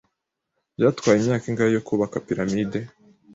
Byatwaye imyaka ingahe yo kubaka piramide?